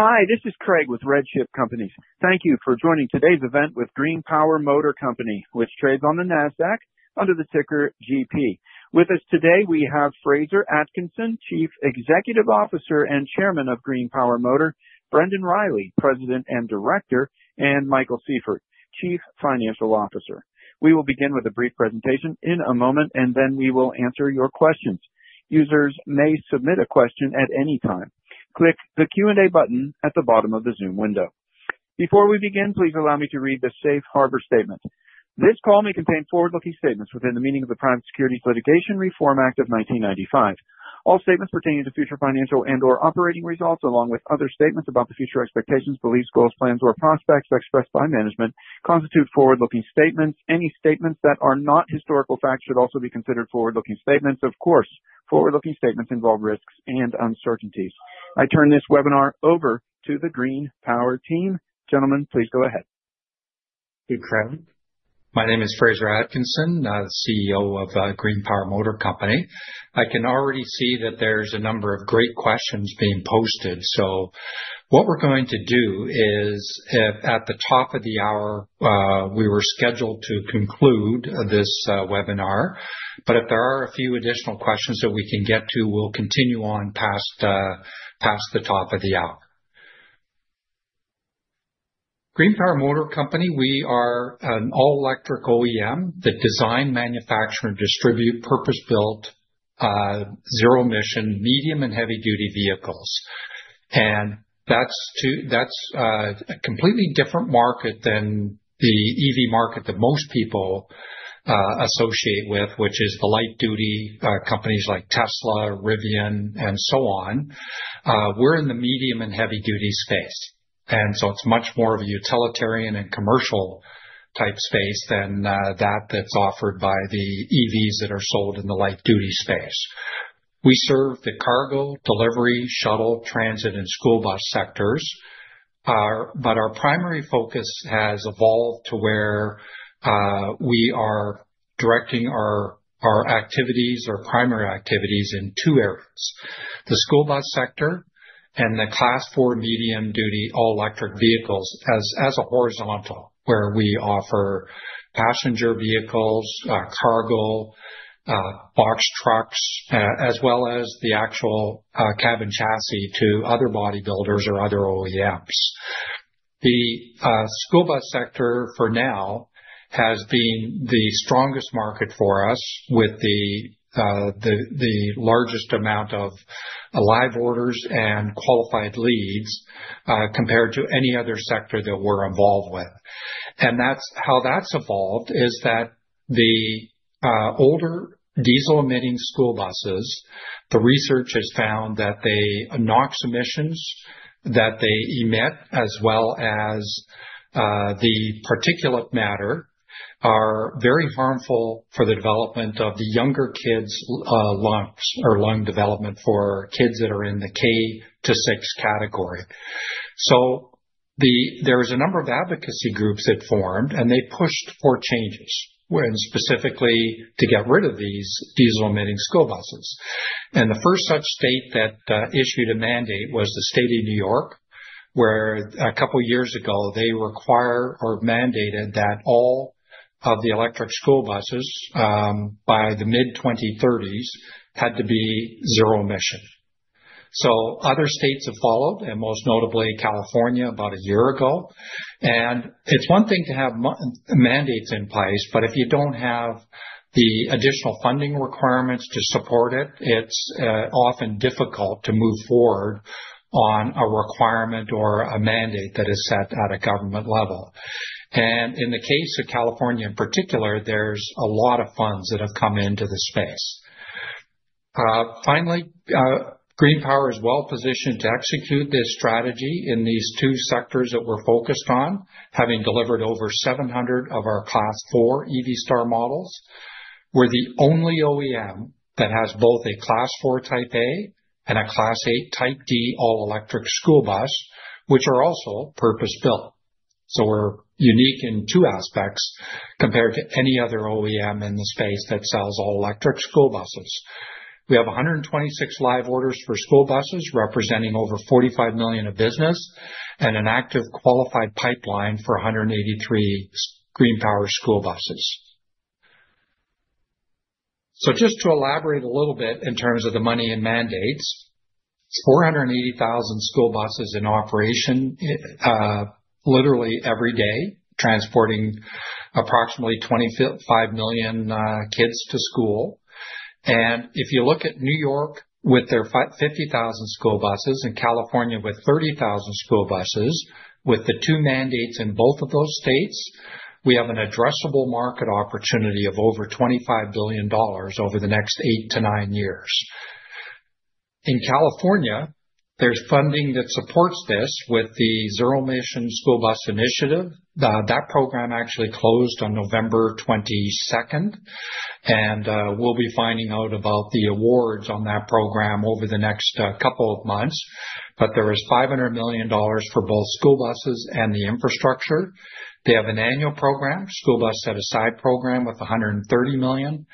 Hi, this is Craig with RedChip Companies. Thank you for joining today's event with GreenPower Motor Company, which trades on the NASDAQ under the ticker GP. With us today, we have Fraser Atkinson, Chief Executive Officer and Chairman of GreenPower Motor, Brendan Riley, President and Director, and Michael Sieffert, Chief Financial Officer. We will begin with a brief presentation in a moment, and then we will answer your questions. Users may submit a question at any time. Click the Q&A button at the bottom of the Zoom window. Before we begin, please allow me to read the Safe Harbor Statement. This call may contain forward-looking statements within the meaning of the Private Securities Litigation Reform Act of 1995. All statements pertaining to future financial and/or operating results, along with other statements about the future expectations, beliefs, goals, plans, or prospects expressed by management, constitute forward-looking statements. Any statements that are not historical facts should also be considered forward-looking statements. Of course, forward-looking statements involve risks and uncertainties. I turn this webinar over to the GreenPower team. Gentlemen, please go ahead. Thank you, Craig. My name is Fraser Atkinson, CEO of GreenPower Motor Company. I can already see that there's a number of great questions being posted. So what we're going to do is, at the top of the hour, we were scheduled to conclude this webinar, but if there are a few additional questions that we can get to, we'll continue on past the top of the hour. GreenPower Motor Company, we are an all-electric OEM that design, manufacture, and distribute purpose-built, zero-emission, medium, and heavy-duty vehicles, and that's a completely different market than the EV market that most people associate with, which is the light-duty companies like Tesla, Rivian, and so on. We're in the medium and heavy-duty space, and so it's much more of a utilitarian and commercial-type space than that that's offered by the EVs that are sold in the light-duty space. We serve the cargo, delivery, shuttle, transit, and school bus sectors, but our primary focus has evolved to where we are directing our activities, our primary activities, in two areas: the school bus sector and the Class 4 medium-duty all-electric vehicles as a horizontal, where we offer passenger vehicles, cargo, box trucks, as well as the actual cab chassis to other bodybuilders or other OEMs. The school bus sector, for now, has been the strongest market for us, with the largest amount of live orders and qualified leads compared to any other sector that we're involved with. And how that's evolved is that the older diesel-emitting school buses, the research has found that the NOx emissions that they emit, as well as the particulate matter, are very harmful for the development of the younger kids' lungs or lung development for kids that are in the K-6 category. There's a number of advocacy groups that formed, and they pushed for changes, specifically to get rid of these diesel-emitting school buses. The first such state that issued a mandate was the state of New York, where a couple of years ago they required or mandated that all of the electric school buses by the mid-2030s had to be zero-emission. Other states have followed, and most notably California, about a year ago. It's one thing to have mandates in place, but if you don't have the additional funding requirements to support it, it's often difficult to move forward on a requirement or a mandate that is set at a government level. In the case of California in particular, there's a lot of funds that have come into the space. Finally, GreenPower is well-positioned to execute this strategy in these two sectors that we're focused on, having delivered over 700 of our Class 4 EV Star models. We're the only OEM that has both a Class 4 Type A and a Class 8 Type D all-electric school bus, which are also purpose-built. So we're unique in two aspects compared to any other OEM in the space that sells all-electric school buses. We have 126 live orders for school buses, representing over $45 million of business, and an active qualified pipeline for 183 GreenPower school buses. So just to elaborate a little bit in terms of the money and mandates, 480,000 school buses in operation literally every day, transporting approximately 25 million kids to school. If you look at New York with their 50,000 school buses and California with 30,000 school buses, with the two mandates in both of those states, we have an addressable market opportunity of over $25 billion over the next eight to nine years. In California, there's funding that supports this with the Zero-Emission School Bus Initiative. That program actually closed on November 22nd, and we'll be finding out about the awards on that program over the next couple of months. There is $500 million for both school buses and the infrastructure. They have an annual program, School Bus Set-Aside program, with $130 million.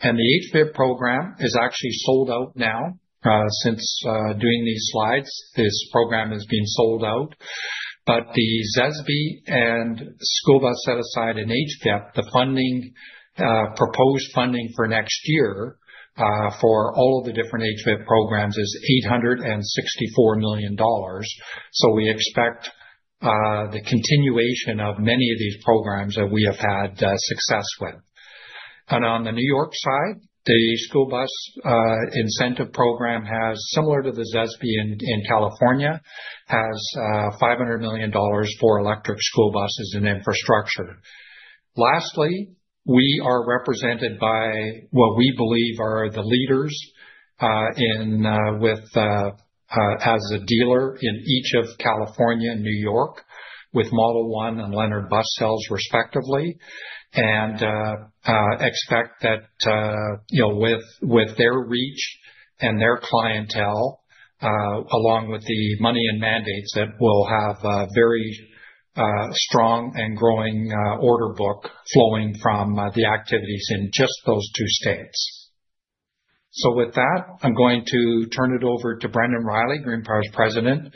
The HVIP program is actually sold out now. Since doing these slides, this program has been sold out. The ZESB and School Bus Set-Aside and HVIP, the proposed funding for next year for all of the different HVIP programs is $864 million. So we expect the continuation of many of these programs that we have had success with. And on the New York side, the School Bus Incentive Program has, similar to the ZESB in California, $500 million for electric school buses and infrastructure. Lastly, we are represented by what we believe are the leaders as a dealer in each of California and New York, with Model 1 and Leonard Bus Sales respectively, and expect that with their reach and their clientele, along with the money and mandates, that we'll have a very strong and growing order book flowing from the activities in just those two states. So with that, I'm going to turn it over to Brendan Riley, GreenPower's President, to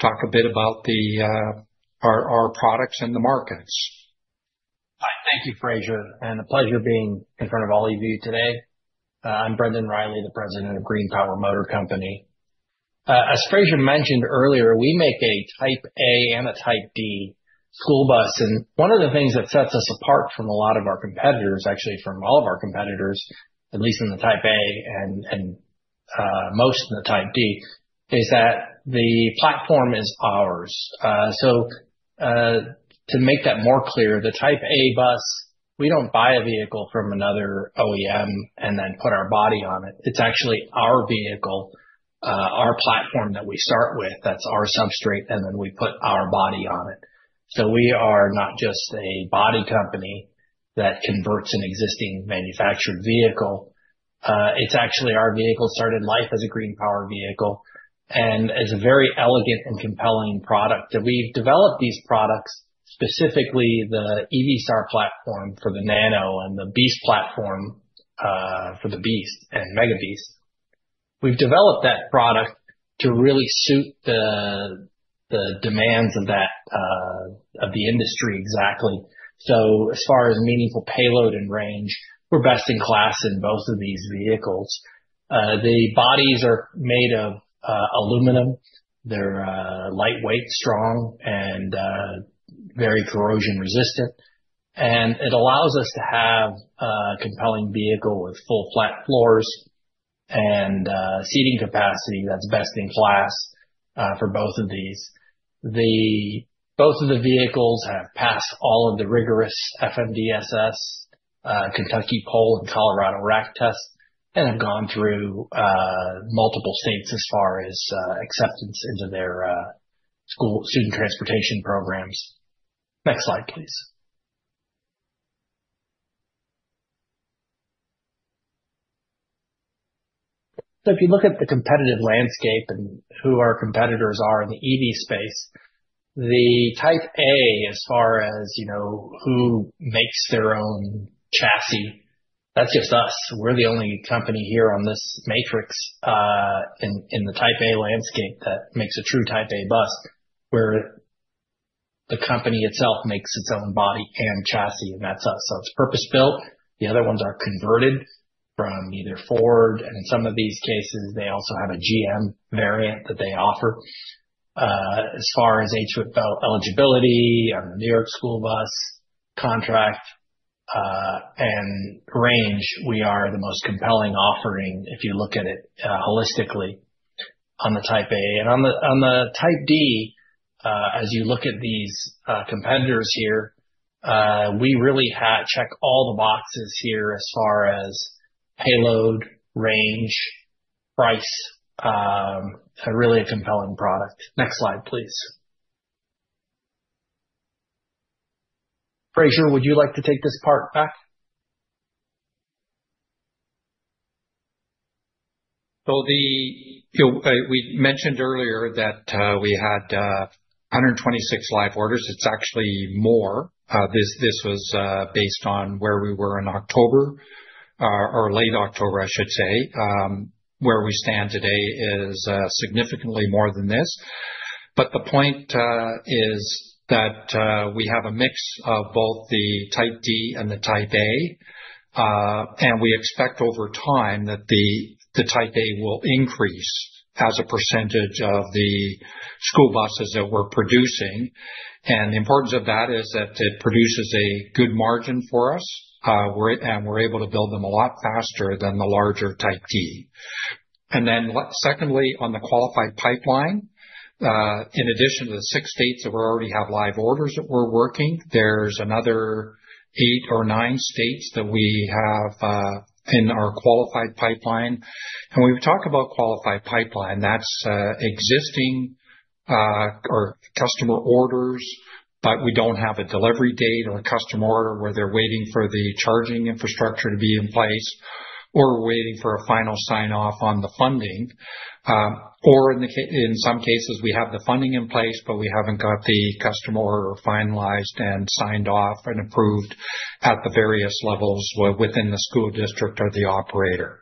talk a bit about our products and the markets. Thank you, Fraser, and a pleasure being in front of all of you today. I'm Brendan Riley, the President of GreenPower Motor Company. As Fraser mentioned earlier, we make a Type A and a Type D school bus. And one of the things that sets us apart from a lot of our competitors, actually from all of our competitors, at least in the Type A and most in the Type D, is that the platform is ours. So to make that more clear, the Type A bus, we don't buy a vehicle from another OEM and then put our body on it. It's actually our vehicle, our platform that we start with, that's our substrate, and then we put our body on it. So we are not just a body company that converts an existing manufactured vehicle. It's actually our vehicle started life as a GreenPower vehicle and is a very elegant and compelling product. And we've developed these products, specifically the EV Star platform for the Nano and the BEAST platform for the BEAST and Mega BEAST. We've developed that product to really suit the demands of the industry exactly. So as far as meaningful payload and range, we're best in class in both of these vehicles. The bodies are made of aluminum. They're lightweight, strong, and very corrosion-resistant. And it allows us to have a compelling vehicle with full flat floors and seating capacity that's best in class for both of these. Both of the vehicles have passed all of the rigorous FMVSS, Kentucky Pole, and Colorado Rack test, and have gone through multiple states as far as acceptance into their student transportation programs. Next slide, please. So if you look at the competitive landscape and who our competitors are in the EV space, the Type A, as far as who makes their own chassis, that's just us. We're the only company here on this matrix in the Type A landscape that makes a true Type A bus, where the company itself makes its own body and chassis, and that's us. So it's purpose-built. The other ones are converted from either Ford, and in some of these cases, they also have a GM variant that they offer. As far as HVIP eligibility on the New York school bus contract and range, we are the most compelling offering if you look at it holistically on the Type A. And on the Type D, as you look at these competitors here, we really check all the boxes here as far as payload, range, price, really a compelling product. Next slide, please. Fraser, would you like to take this part back? We mentioned earlier that we had 126 live orders. It's actually more. This was based on where we were in October or late October, I should say. Where we stand today is significantly more than this. But the point is that we have a mix of both the Type D and the Type A, and we expect over time that the Type A will increase as a percentage of the school buses that we're producing. And the importance of that is that it produces a good margin for us, and we're able to build them a lot faster than the larger Type D. And then secondly, on the qualified pipeline, in addition to the six states that we already have live orders that we're working, there's another eight or nine states that we have in our qualified pipeline. And when we talk about qualified pipeline, that's existing or customer orders, but we don't have a delivery date or a customer order where they're waiting for the charging infrastructure to be in place or waiting for a final sign-off on the funding. Or in some cases, we have the funding in place, but we haven't got the customer order finalized and signed off and approved at the various levels within the school district or the operator.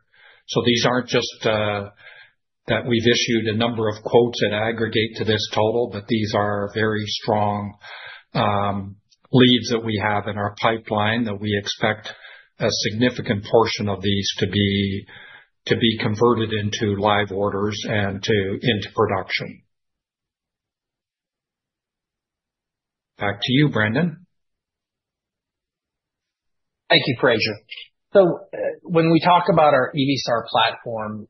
So these aren't just that we've issued a number of quotes that aggregate to this total, but these are very strong leads that we have in our pipeline that we expect a significant portion of these to be converted into live orders and into production. Back to you, Brendan. Thank you, Fraser. So when we talk about our EV Star platform,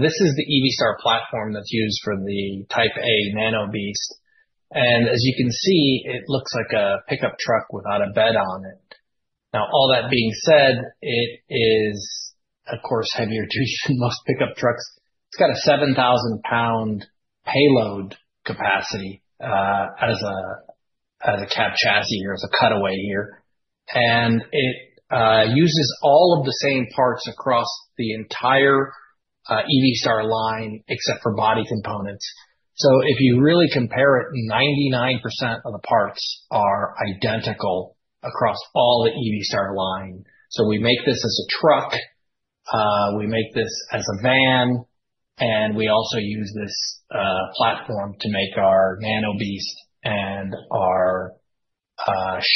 this is the EV Star platform that's used for the Type A Nano BEAST. And as you can see, it looks like a pickup truck without a bed on it. Now, all that being said, it is, of course, heavier duty than most pickup trucks. It's got a 7,000-pound payload capacity as a cab chassis or as a cutaway here. And it uses all of the same parts across the entire EV Star line except for body components. So if you really compare it, 99% of the parts are identical across all the EV Star line. So we make this as a truck. We make this as a van. And we also use this platform to make our Nano BEAST and our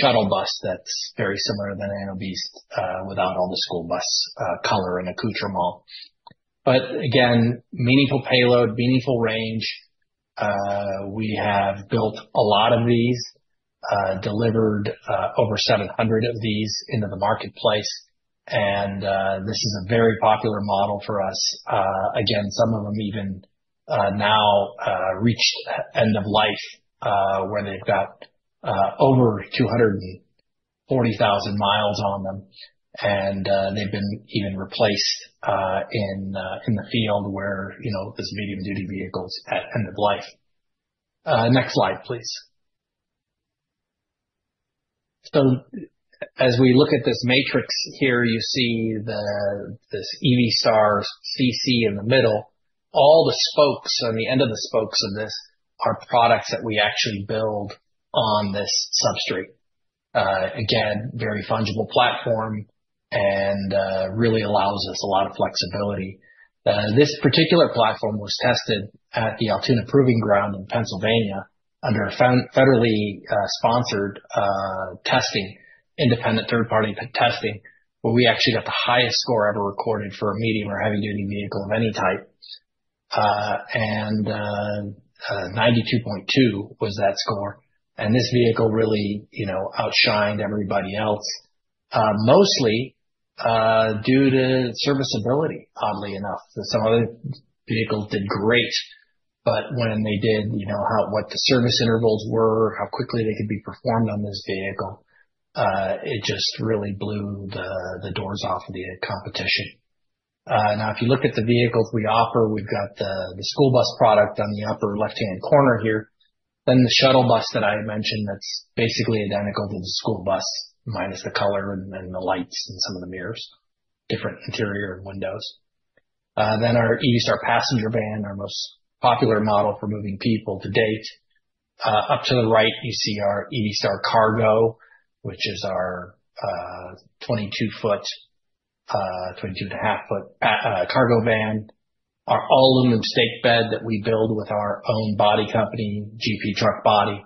shuttle bus that's very similar to the Nano BEAST without all the school bus color and accoutrement. But again, meaningful payload, meaningful range. We have built a lot of these, delivered over 700 of these into the marketplace. And this is a very popular model for us. Again, some of them even now reached end of life where they've got over 240,000 miles on them. And they've been even replaced in the field where there's medium-duty vehicles at end of life. Next slide, please. So as we look at this matrix here, you see this EV Star CC in the middle. All the spokes on the end of the spokes of this are products that we actually build on this substrate. Again, very fungible platform and really allows us a lot of flexibility. This particular platform was tested at the Altoona Proving Ground in Pennsylvania under federally sponsored independent third-party testing, where we actually got the highest score ever recorded for a medium or heavy-duty vehicle of any type. 92.2 was that score. This vehicle really outshined everybody else, mostly due to serviceability, oddly enough. Some other vehicles did great, but when they did, what the service intervals were, how quickly they could be performed on this vehicle, it just really blew the doors off of the competition. Now, if you look at the vehicles we offer, we've got the school bus product on the upper left-hand corner here. Then the shuttle bus that I mentioned that's basically identical to the school bus, minus the color and the lights and some of the mirrors, different interior windows. Then our EV Star Passenger Van, our most popular model for moving people to date. Up to the right, you see our EV Star Cargo, which is our 22-foot, 22-and-a-half-foot cargo van, our all-aluminum stake bed that we build with our own body company, GP Truck Body,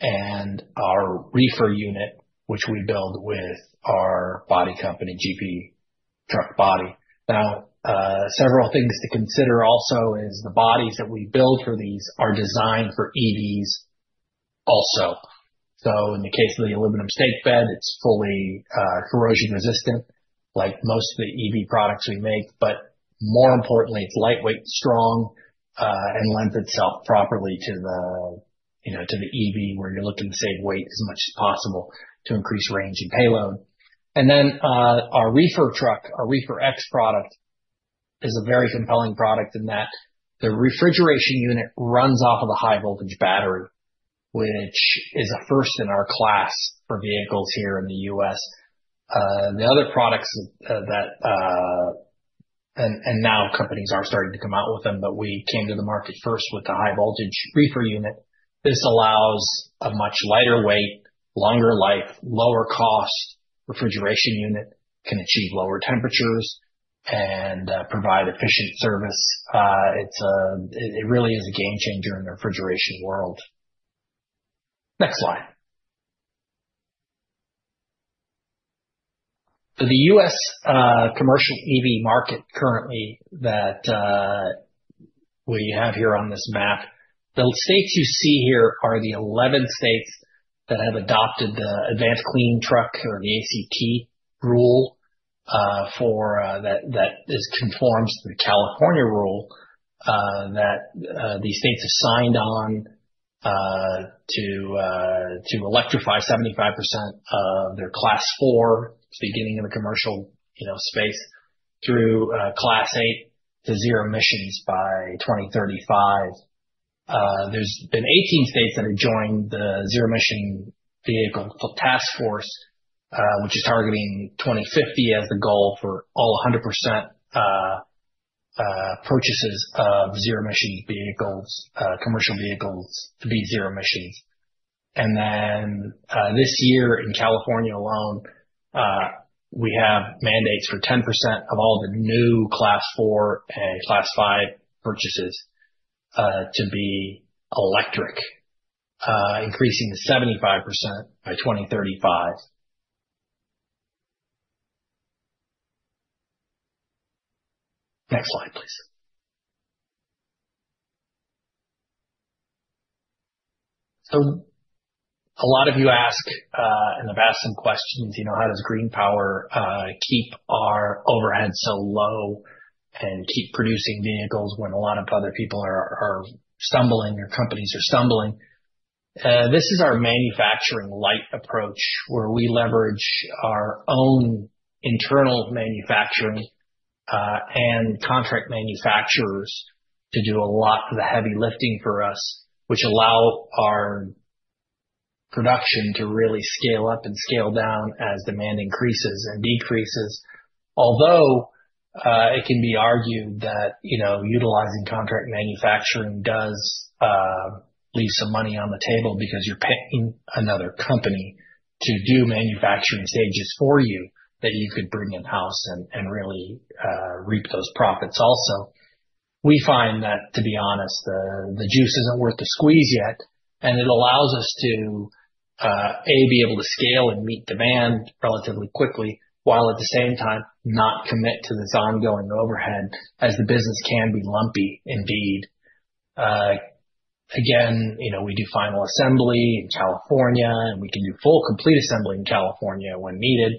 and our reefer unit, which we build with our body company, GP Truck Body. Now, several things to consider also is the bodies that we build for these are designed for EVs also. So in the case of the aluminum stake bed, it's fully corrosion-resistant, like most of the EV products we make. But more importantly, it's lightweight, strong, and lends itself properly to the EV where you're looking to save weight as much as possible to increase range and payload. Our reefer truck, our ReeferX product, is a very compelling product in that the refrigeration unit runs off of a high-voltage battery, which is a first in our class for vehicles here in the U.S. The other products, and now companies are starting to come out with them, but we came to the market first with the high-voltage reefer unit. This allows a much lighter weight, longer life, lower cost refrigeration unit, can achieve lower temperatures, and provide efficient service. It really is a game changer in the refrigeration world. Next slide. So the U.S. commercial EV market currently that we have here on this map, the states you see here are the 11 states that have adopted the Advanced Clean Truck or the ACT rule that conforms to the California rule that these states have signed on to electrify 75% of their Class 4, beginning in the commercial space, through Class 8 to zero emissions by 2035. There's been 18 states that have joined the Zero Emission Vehicle Task Force, which is targeting 2050 as the goal for all 100% purchases of zero-emission vehicles, commercial vehicles to be zero emissions. And then this year in California alone, we have mandates for 10% of all the new Class 4 and Class 5 purchases to be electric, increasing to 75% by 2035. Next slide, please. So a lot of you ask and have asked some questions. How does GreenPower keep our overhead so low and keep producing vehicles when a lot of other people are stumbling or companies are stumbling? This is our manufacturing light approach, where we leverage our own internal manufacturing and contract manufacturers to do a lot of the heavy lifting for us, which allow our production to really scale up and scale down as demand increases and decreases. Although it can be argued that utilizing contract manufacturing does leave some money on the table because you're paying another company to do manufacturing stages for you that you could bring in-house and really reap those profits also. We find that, to be honest, the juice isn't worth the squeeze yet, and it allows us to, A, be able to scale and meet demand relatively quickly, while at the same time not commit to this ongoing overhead as the business can be lumpy indeed. Again, we do final assembly in California, and we can do full complete assembly in California when needed.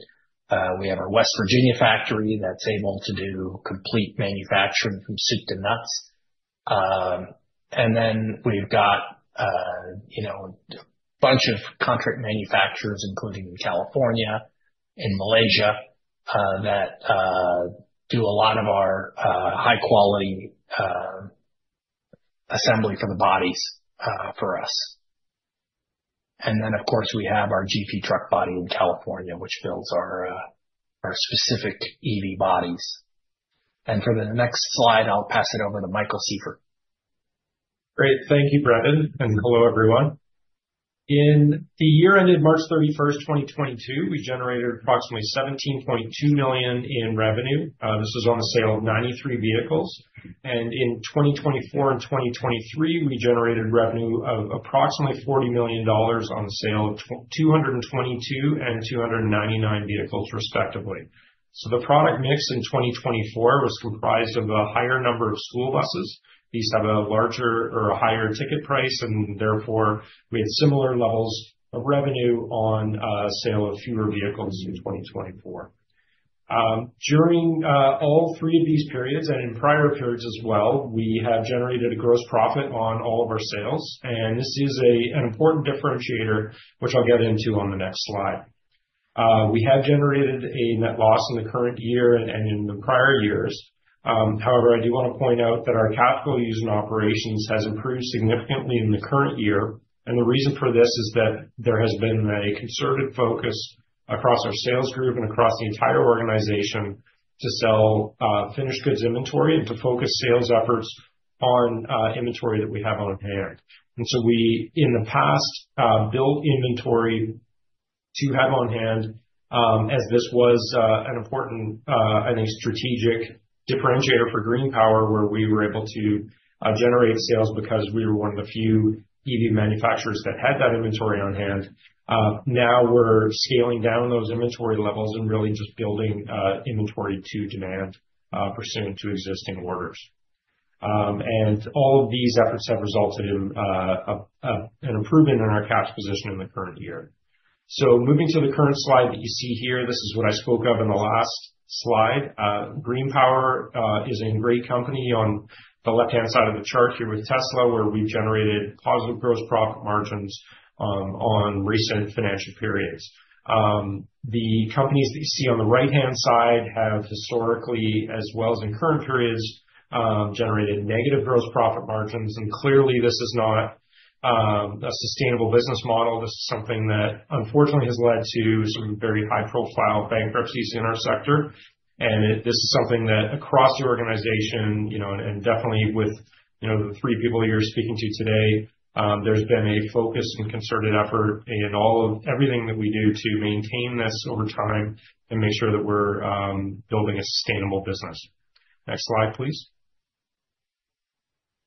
We have our West Virginia factory that's able to do complete manufacturing from soup to nuts. And then we've got a bunch of contract manufacturers, including in California and Malaysia, that do a lot of our high-quality assembly for the bodies for us. And then, of course, we have our GP Truck Body in California, which builds our specific EV bodies. And for the next slide, I'll pass it over to Michael Sieffert. Great. Thank you, Brendan, and hello, everyone. In the year ended March 31st, 2022, we generated approximately $17.2 million in revenue. This was on the sale of 93 vehicles, and in 2024 and 2023, we generated revenue of approximately $40 million on the sale of 222 and 299 vehicles, respectively, so the product mix in 2024 was comprised of a higher number of school buses. These have a larger or a higher ticket price, and therefore, we had similar levels of revenue on sale of fewer vehicles in 2024. During all three of these periods and in prior periods as well, we have generated a gross profit on all of our sales, and this is an important differentiator, which I'll get into on the next slide. We have generated a net loss in the current year and in the prior years. However, I do want to point out that our capital use and operations has improved significantly in the current year. And the reason for this is that there has been a concerted focus across our sales group and across the entire organization to sell finished goods inventory and to focus sales efforts on inventory that we have on hand. And so we, in the past, built inventory to have on hand, as this was an important, I think, strategic differentiator for GreenPower, where we were able to generate sales because we were one of the few EV manufacturers that had that inventory on hand. Now we're scaling down those inventory levels and really just building inventory to demand pursuant to existing orders. And all of these efforts have resulted in an improvement in our cash position in the current year. So moving to the current slide that you see here, this is what I spoke of in the last slide. GreenPower is a great company on the left-hand side of the chart here with Tesla, where we've generated positive gross profit margins on recent financial periods. The companies that you see on the right-hand side have historically, as well as in current periods, generated negative gross profit margins. And clearly, this is not a sustainable business model. This is something that, unfortunately, has led to some very high-profile bankruptcies in our sector. And this is something that across the organization and definitely with the three people you're speaking to today, there's been a focus and concerted effort in everything that we do to maintain this over time and make sure that we're building a sustainable business. Next slide, please.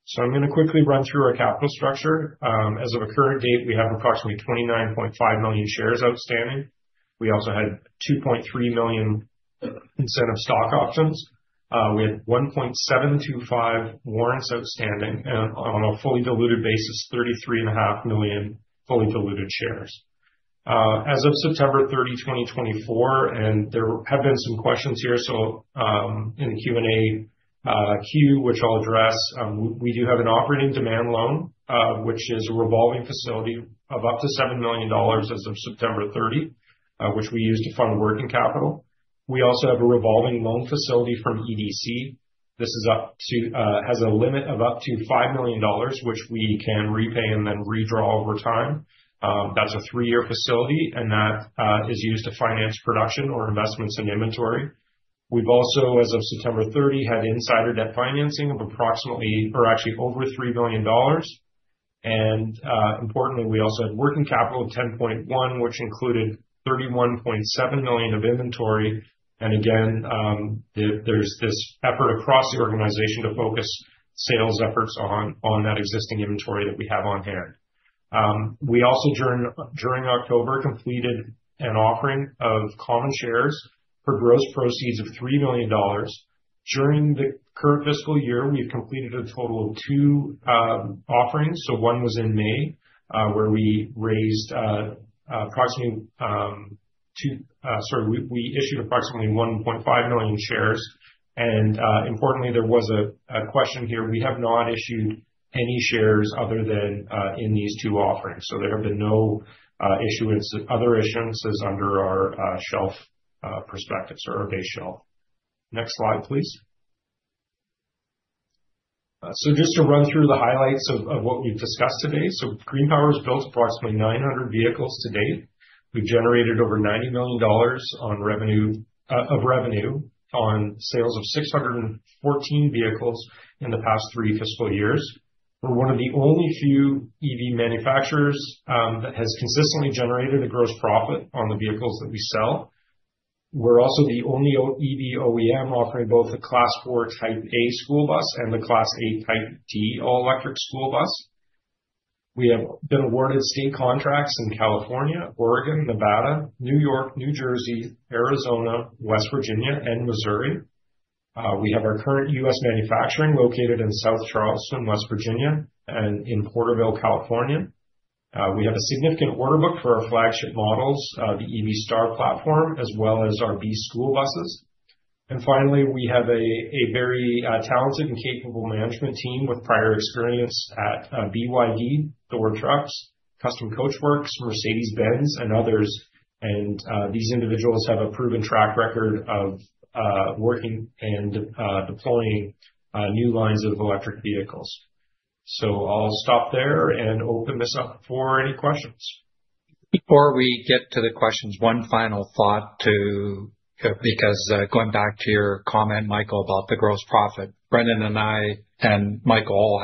So I'm going to quickly run through our capital structure. As of the current date, we have approximately 29.5 million shares outstanding. We also had 2.3 million incentive stock options. We had 1.725 warrants outstanding, and on a fully diluted basis, 33.5 million fully diluted shares. As of September 30, 2024, and there have been some questions here, so in the Q&A queue, which I'll address, we do have an operating demand loan, which is a revolving facility of up to $7 million as of September 30, which we use to fund working capital. We also have a revolving loan facility from EDC. This has a limit of up to $5 million, which we can repay and then redraw over time. That's a three-year facility, and that is used to finance production or investments in inventory. We've also, as of September 30, had insider debt financing of approximately or actually over $3 million. And importantly, we also had working capital of $10.1 million, which included $31.7 million of inventory. And again, there's this effort across the organization to focus sales efforts on that existing inventory that we have on hand. We also, during October, completed an offering of common shares for gross proceeds of $3 million. During the current fiscal year, we've completed a total of two offerings. So one was in May, where we raised approximately two sorry, we issued approximately 1.5 million shares. And importantly, there was a question here. We have not issued any shares other than in these two offerings. So there have been no issuance of other issuances under our shelf prospectus or our base shelf. Next slide, please. So just to run through the highlights of what we've discussed today. So GreenPower has built approximately 900 vehicles to date. We've generated over $90 million of revenue on sales of 614 vehicles in the past three fiscal years. We're one of the only few EV manufacturers that has consistently generated a gross profit on the vehicles that we sell. We're also the only EV OEM offering both a Class 4 Type A school bus and the Class 8 Type D all-electric school bus. We have been awarded state contracts in California, Oregon, Nevada, New York, New Jersey, Arizona, West Virginia, and Missouri. We have our current U.S. manufacturing located in South Charleston, West Virginia, and in Porterville, California. We have a significant order book for our flagship models, the EV Star platform, as well as our B school buses. And finally, we have a very talented and capable management team with prior experience at BYD, Thor Trucks, Custom Coachworks, Mercedes-Benz, and others. These individuals have a proven track record of working and deploying new lines of electric vehicles. I'll stop there and open this up for any questions. Before we get to the questions, one final thought too, because going back to your comment, Michael, about the gross profit, Brendan and I and Michael all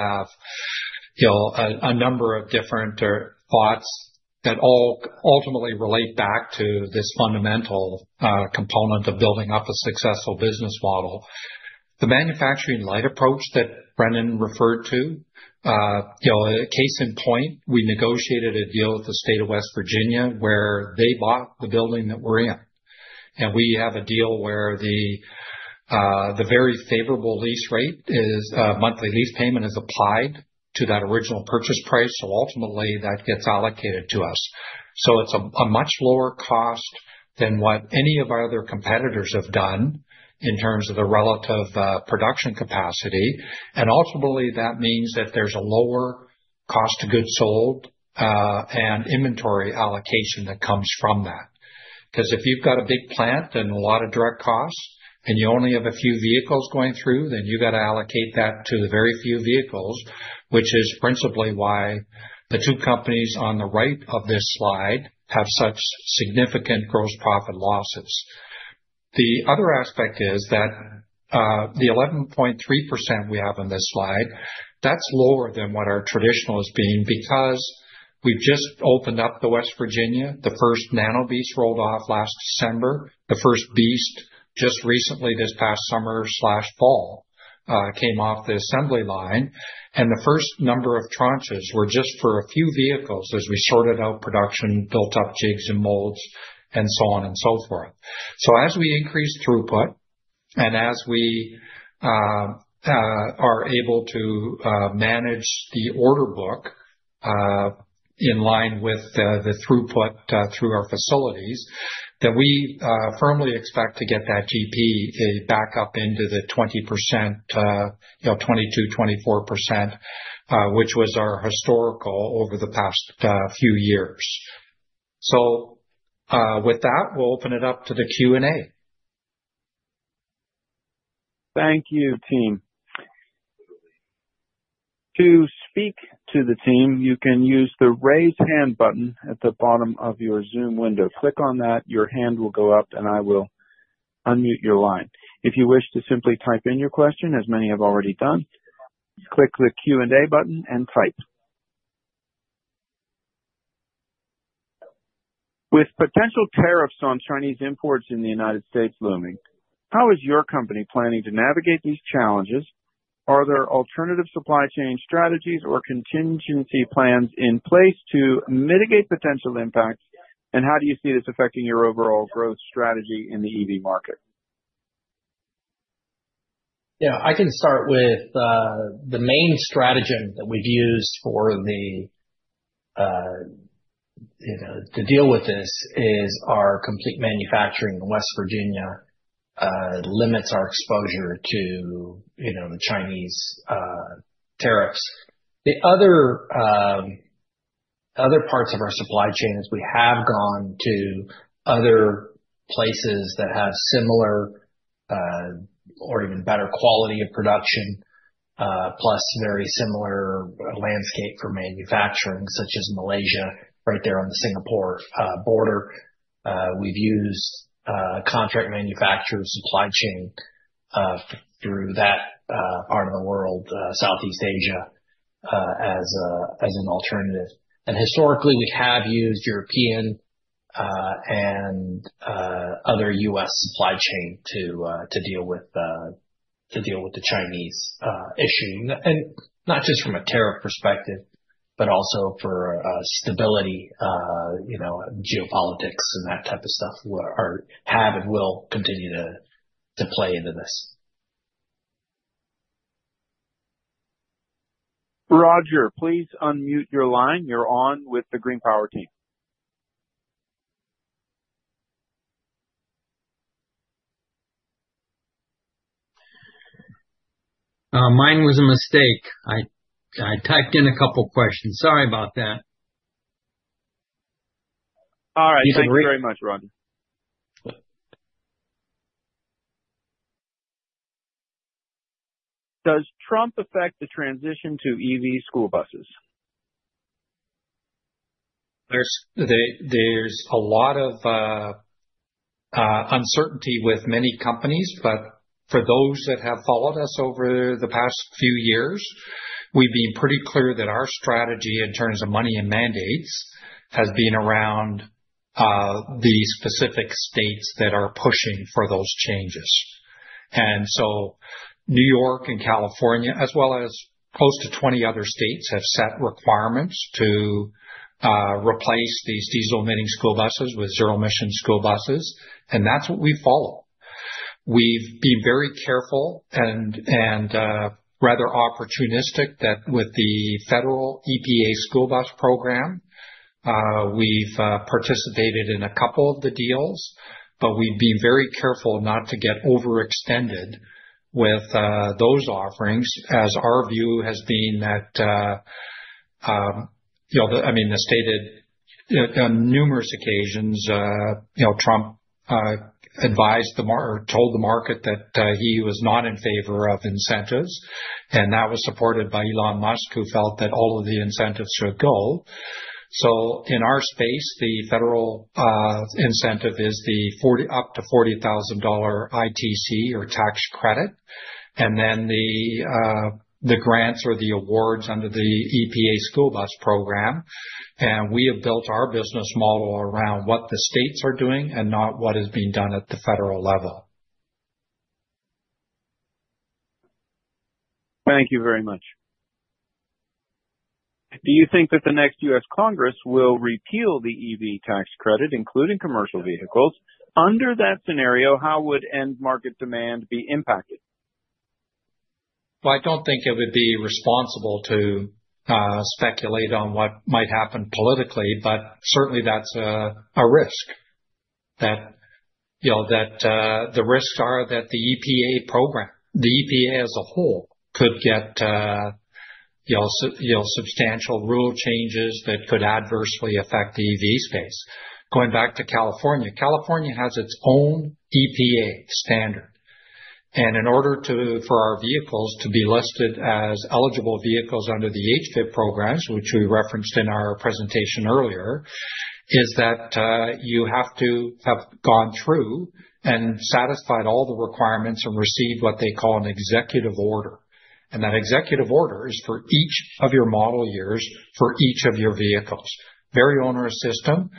have a number of different thoughts that all ultimately relate back to this fundamental component of building up a successful business model. The manufacturing light approach that Brendan referred to, case in point, we negotiated a deal with the state of West Virginia where they bought the building that we're in. And we have a deal where the very favorable lease rate is monthly lease payment is applied to that original purchase price. So ultimately, that gets allocated to us. So it's a much lower cost than what any of our other competitors have done in terms of the relative production capacity. And ultimately, that means that there's a lower cost of goods sold and inventory allocation that comes from that. Because if you've got a big plant and a lot of direct costs, and you only have a few vehicles going through, then you got to allocate that to the very few vehicles, which is principally why the two companies on the right of this slide have such significant gross profit losses. The other aspect is that the 11.3% we have on this slide, that's lower than what our traditional is being because we've just opened up the West Virginia. The first Nano BEAST rolled off last December. The first BEAST just recently this past summer/fall came off the assembly line, and the first number of tranches were just for a few vehicles as we sorted out production, built up jigs and molds, and so on and so forth. As we increase throughput and as we are able to manage the order book in line with the throughput through our facilities, then we firmly expect to get that GPA back up into the 20%, 22%, 24%, which was our historical over the past few years. With that, we'll open it up to the Q&A. Thank you, team. To speak to the team, you can use the raise hand button at the bottom of your Zoom window. Click on that. Your hand will go up, and I will unmute your line. If you wish to simply type in your question, as many have already done, click the Q&A button and type. With potential tariffs on Chinese imports in the United States looming, how is your company planning to navigate these challenges? Are there alternative supply chain strategies or contingency plans in place to mitigate potential impacts? And how do you see this affecting your overall growth strategy in the EV market? Yeah. I can start with the main strategy that we've used to deal with this is our complete manufacturing in West Virginia limits our exposure to the Chinese tariffs. The other parts of our supply chain is we have gone to other places that have similar or even better quality of production, plus very similar landscape for manufacturing, such as Malaysia right there on the Singapore border. We've used contract manufacturer supply chain through that part of the world, Southeast Asia, as an alternative. Historically, we have used European and other US supply chain to deal with the Chinese issue. Not just from a tariff perspective, but also for stability, geopolitics, and that type of stuff have and will continue to play into this. Roger. Please unmute your line. You're on with the GreenPower team. Mine was a mistake. I typed in a couple of questions. Sorry about that. All right. Thank you very much, Roger. Does Trump affect the transition to EV school buses? There's a lot of uncertainty with many companies. But for those that have followed us over the past few years, we've been pretty clear that our strategy in terms of money and mandates has been around the specific states that are pushing for those changes. And so New York and California, as well as close to 20 other states, have set requirements to replace these diesel-emitting school buses with zero-emission school buses. And that's what we follow. We've been very careful and rather opportunistic that with the federal EPA school bus program, we've participated in a couple of the deals, but we've been very careful not to get overextended with those offerings as our view has been that, I mean, he's stated on numerous occasions, Trump advised the market or told the market that he was not in favor of incentives. And that was supported by Elon Musk, who felt that all of the incentives should go. So in our space, the federal incentive is the up to $40,000 ITC or tax credit. And then the grants or the awards under the EPA School Bus Program. And we have built our business model around what the states are doing and not what is being done at the federal level. Thank you very much. Do you think that the next U.S. Congress will repeal the EV tax credit, including commercial vehicles? Under that scenario, how would end market demand be impacted? I don't think it would be responsible to speculate on what might happen politically, but certainly that's a risk. That the risks are that the EPA program, the EPA as a whole, could get substantial rule changes that could adversely affect the EV space. Going back to California, California has its own EPA standard. In order for our vehicles to be listed as eligible vehicles under the HVIP programs, which we referenced in our presentation earlier, you have to have gone through and satisfied all the requirements and received what they call an Executive Order. That Executive Order is for each of your model years for each of your vehicles. Very onerous system.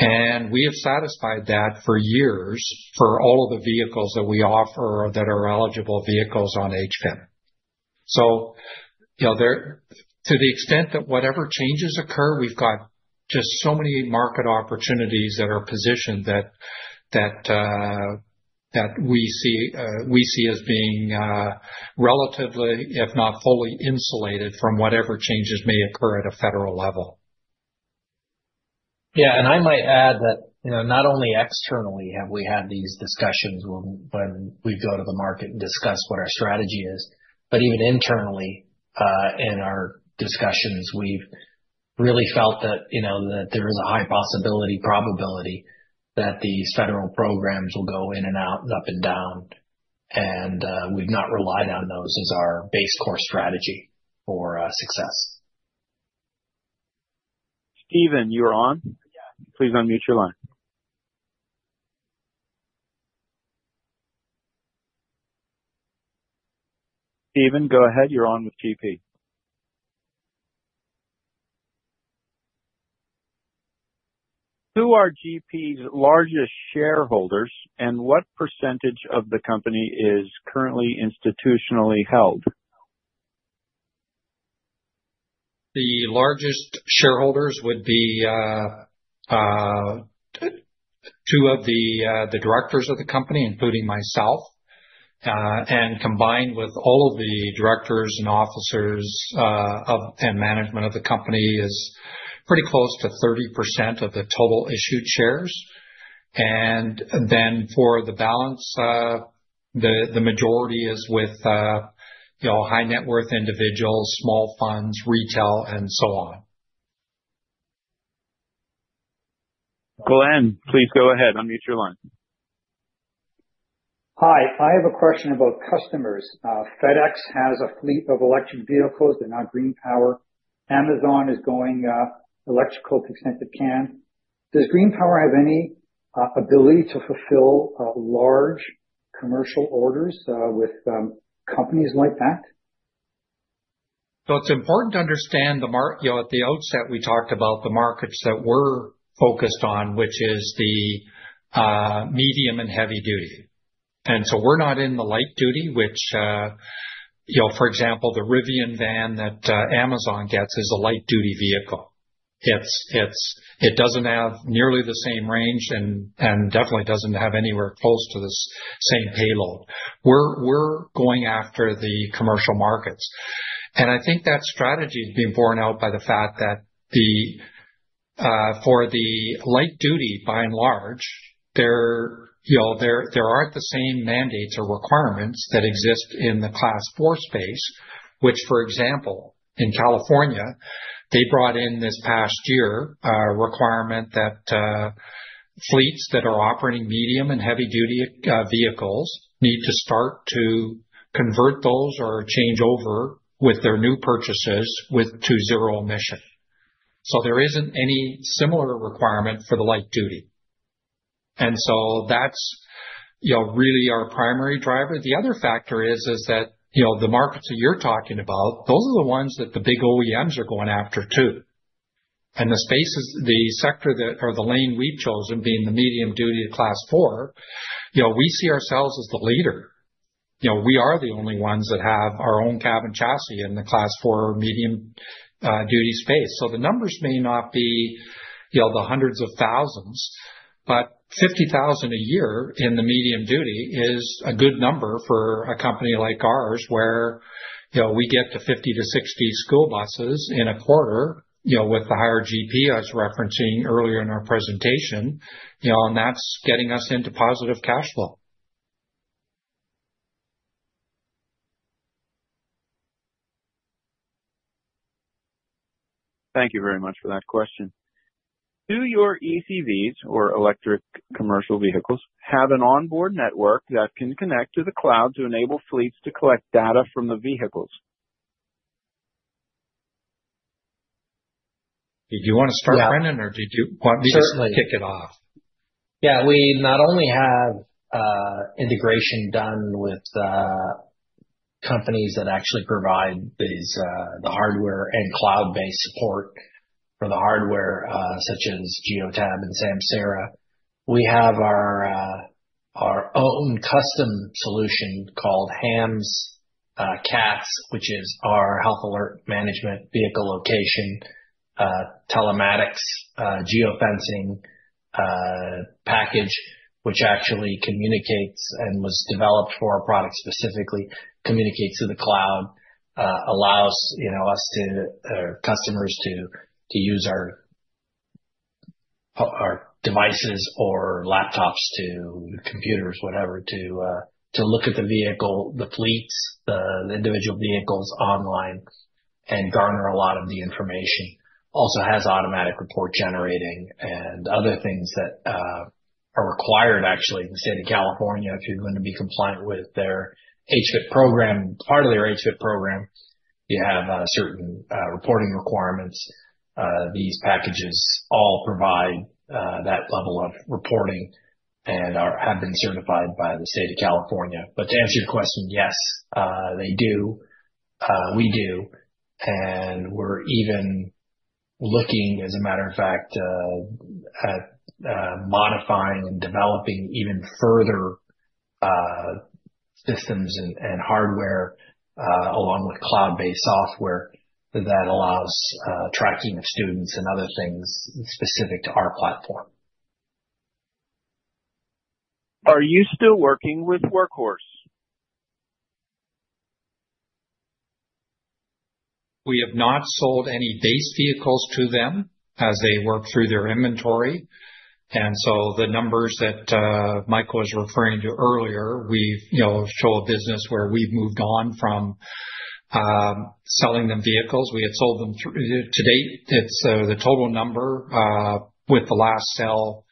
We have satisfied that for years for all of the vehicles that we offer that are eligible vehicles on HVIP. So to the extent that whatever changes occur, we've got just so many market opportunities that are positioned that we see as being relatively, if not fully insulated from whatever changes may occur at a federal level. Yeah. And I might add that not only externally have we had these discussions when we go to the market and discuss what our strategy is, but even internally in our discussions, we've really felt that there is a high possibility, probability that these federal programs will go in and out and up and down. And we've not relied on those as our base core strategy for success. Steven, you're on. Please unmute your line. Steven, go ahead. You're on with GP. Who are GP's largest shareholders and what percentage of the company is currently institutionally held? The largest shareholders would be two of the directors of the company, including myself, and combined with all of the directors and officers and management of the company is pretty close to 30% of the total issued shares, and then for the balance, the majority is with high-net-worth individuals, small funds, retail, and so on. Glenn, please go ahead. Unmute your line. Hi. I have a question about customers. FedEx has a fleet of electric vehicles. They're not GreenPower. Amazon is going electric to the extent it can. Does GreenPower have any ability to fulfill large commercial orders with companies like that? It's important to understand the market at the outset. We talked about the markets that we're focused on, which is the medium and heavy duty. And so we're not in the light duty, which, for example, the Rivian van that Amazon gets is a light-duty vehicle. It doesn't have nearly the same range and definitely doesn't have anywhere close to the same payload. We're going after the commercial markets. And I think that strategy has been borne out by the fact that for the light duty, by and large, there aren't the same mandates or requirements that exist in the Class 4 space, which, for example, in California, they brought in this past year a requirement that fleets that are operating medium and heavy-duty vehicles need to start to convert those or change over with their new purchases to zero emission. So there isn't any similar requirement for the light duty. And so that's really our primary driver. The other factor is that the markets that you're talking about, those are the ones that the big OEMs are going after too. And the sector or the lane we've chosen being the medium-duty Class 4, we see ourselves as the leader. We are the only ones that have our own cab chassis in the Class 4 medium-duty space. So the numbers may not be the hundreds of thousands, but 50,000 a year in the medium-duty is a good number for a company like ours where we get to 50 to 60 school buses in a quarter with the higher GP I was referencing earlier in our presentation. And that's getting us into positive cash flow. Thank you very much for that question. Do your ECVs or electric commercial vehicles have an onboard network that can connect to the cloud to enable fleets to collect data from the vehicles? Did you want to start, Brendan, or did you want me to kick it off? Yeah. We not only have integration done with companies that actually provide the hardware and cloud-based support for the hardware, such as Geotab and Samsara. We have our own custom solution called HAMS that's, which is our health alert management vehicle location telematics geofencing package, which actually communicates and was developed for our product specifically, communicates to the cloud, allows us to customers to use our devices or laptops to computers, whatever, to look at the vehicle, the fleets, the individual vehicles online, and garner a lot of the information. Also has automatic report generating and other things that are required, actually, in the state of California. If you're going to be compliant with their HVIP program, part of their HVIP program, you have certain reporting requirements. These packages all provide that level of reporting and have been certified by the state of California. But to answer your question, yes, they do. We do. And we're even looking, as a matter of fact, at modifying and developing even further systems and hardware along with cloud-based software that allows tracking of students and other things specific to our platform. Are you still working with Workhorse? We have not sold any base vehicles to them as they work through their inventory, and so the numbers that Michael was referring to earlier, we've shown a business where we've moved on from selling them vehicles. We had sold them to date. The total number with the last sale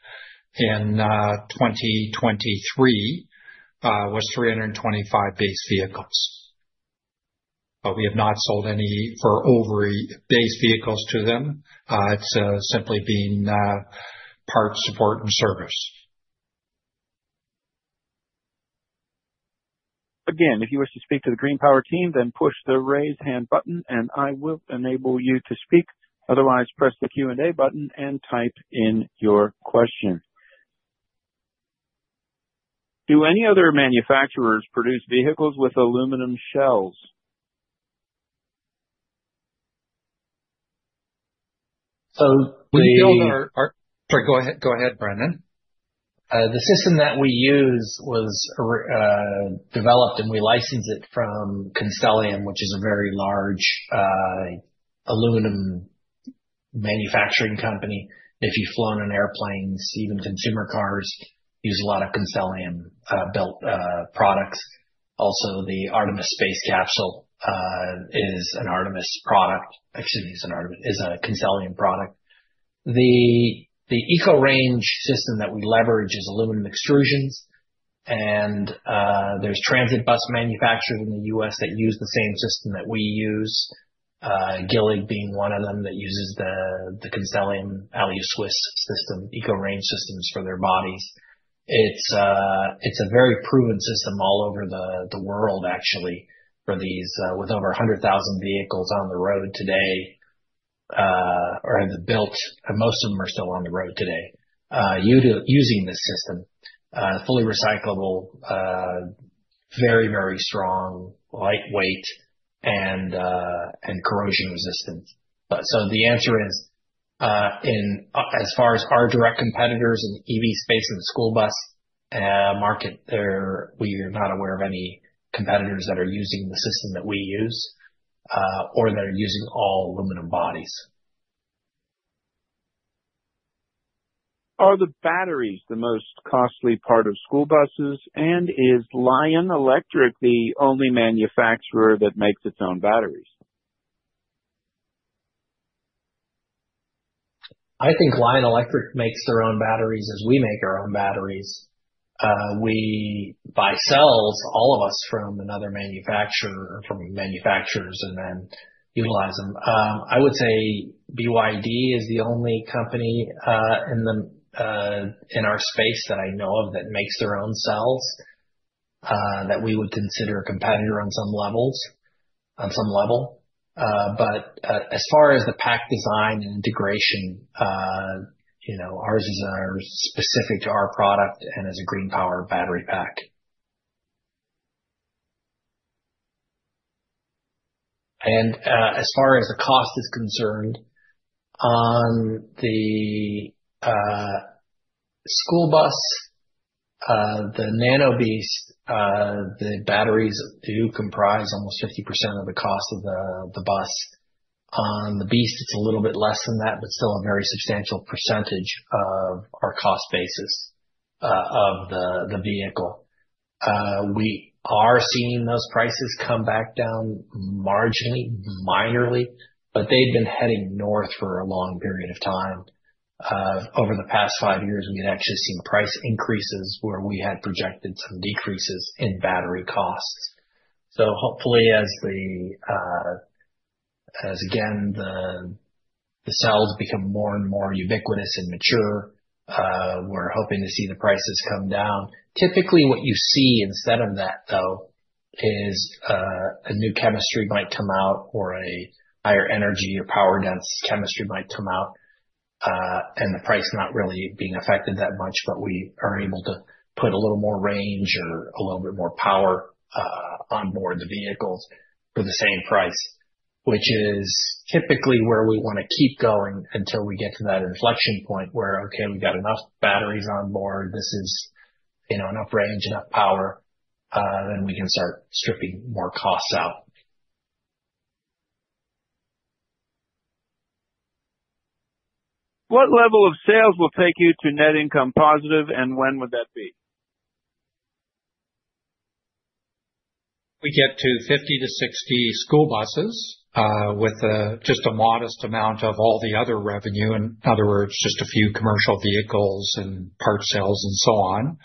in 2023 was 325 base vehicles. But we have not sold any more base vehicles to them. It's simply been parts support and service. Again, if you wish to speak to the GreenPower team, then push the raise hand button, and I will enable you to speak. Otherwise, press the Q&A button and type in your question. Do any other manufacturers produce vehicles with aluminum shells? Sorry, go ahead, Brendan. The system that we use was developed, and we license it from Constellium, which is a very large aluminum manufacturing company. If you've flown on airplanes, even consumer cars, use a lot of Constellium-built products. Also, the Artemis Space Capsule is an Artemis product. Actually, it's an Artemis. It's a Constellium product. The EcoRange system that we leverage is aluminum extrusions. And there's transit bus manufacturers in the U.S. that use the same system that we use, Gillig being one of them that uses the Constellium Alusuisse system, EcoRange systems for their bodies. It's a very proven system all over the world, actually, for these with over 100,000 vehicles on the road today or have been built, and most of them are still on the road today, using this system. Fully recyclable, very, very strong, lightweight, and corrosion-resistant. So the answer is, as far as our direct competitors in the EV space and the school bus market, we are not aware of any competitors that are using the system that we use or that are using all aluminum bodies. Are the batteries the most costly part of school buses? And is Lion Electric the only manufacturer that makes its own batteries? I think Lion Electric makes their own batteries as we make our own batteries. We buy cells, all of us, from another manufacturer or from manufacturers and then utilize them. I would say BYD is the only company in our space that I know of that makes their own cells that we would consider a competitor on some levels. But as far as the pack design and integration, ours is specific to our product and as a GreenPower battery pack. And as far as the cost is concerned, on the school bus, the Nano BEAST, the batteries do comprise almost 50% of the cost of the bus. On the BEAST, it's a little bit less than that, but still a very substantial percentage of our cost basis of the vehicle. We are seeing those prices come back down marginally, minorly, but they've been heading north for a long period of time. Over the past five years, we had actually seen price increases where we had projected some decreases in battery costs. So hopefully, as again, the cells become more and more ubiquitous and mature, we're hoping to see the prices come down. Typically, what you see instead of that, though, is a new chemistry might come out or a higher energy or power-dense chemistry might come out, and the price not really being affected that much, but we are able to put a little more range or a little bit more power onboard the vehicles for the same price, which is typically where we want to keep going until we get to that inflection point where, okay, we've got enough batteries on board. This is enough range, enough power, then we can start stripping more costs out. What level of sales will take you to net income positive, and when would that be? We get to 50-60 school buses with just a modest amount of all the other revenue. In other words, just a few commercial vehicles and part sales and so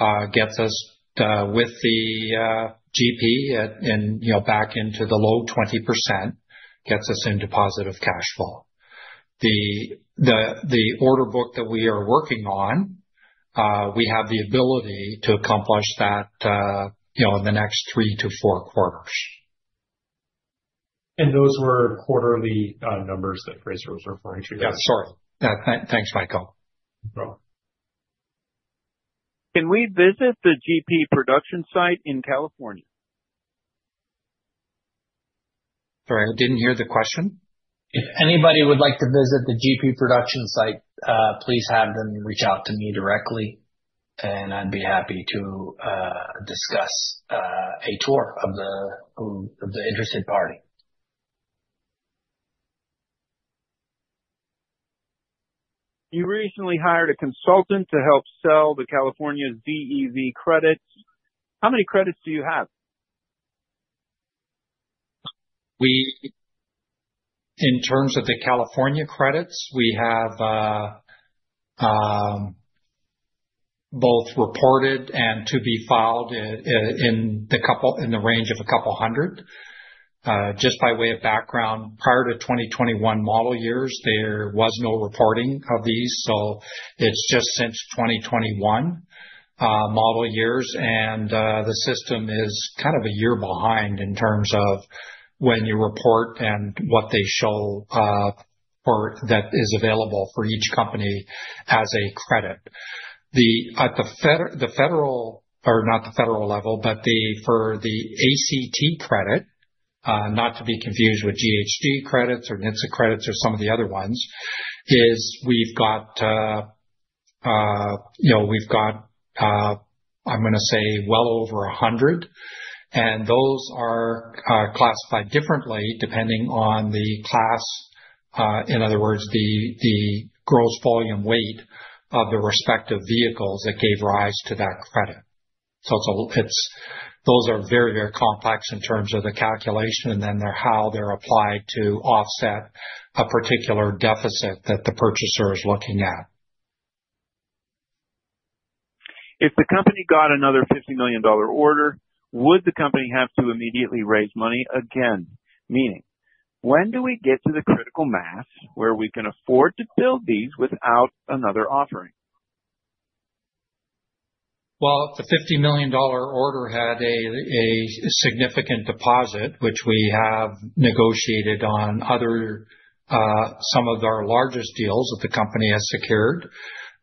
on gets us with the GP and back into the low 20%, gets us into positive cash flow. The order book that we are working on, we have the ability to accomplish that in the next three to four quarters. Those were quarterly numbers that Fraser was referring to. Yeah, sorry. Thanks, Michael. Can we visit the GP production site in California? Sorry, I didn't hear the question. If anybody would like to visit the GP production site, please have them reach out to me directly, and I'd be happy to discuss a tour of the interested party. You recently hired a consultant to help sell the California ZEV credits. How many credits do you have? In terms of the California credits, we have both reported and to be filed in the range of a couple hundred. Just by way of background, prior to 2021 model years, there was no reporting of these. So it's just since 2021 model years, and the system is kind of a year behind in terms of when you report and what they show that is available for each company as a credit. At the federal or not the federal level, but for the ACT credit, not to be confused with GHG credits or NHTSA credits or some of the other ones, is we've got. I'm going to say well over 100, and those are classified differently depending on the class. In other words, the gross vehicle weight of the respective vehicles that gave rise to that credit. Those are very, very complex in terms of the calculation, and then how they're applied to offset a particular deficit that the purchaser is looking at. If the company got another $50 million order, would the company have to immediately raise money again? Meaning, when do we get to the critical mass where we can afford to build these without another offering? If the $50 million order had a significant deposit, which we have negotiated on some of our largest deals that the company has secured,